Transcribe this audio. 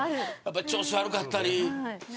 調子悪かったり。